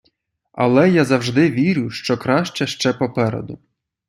Але я завжди вірю, що краще ще попереду.